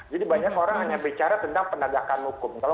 jadi banyak orang hanya bicara tentang pendagangan hukum